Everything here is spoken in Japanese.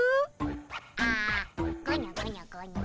あごにょごにょごにょ。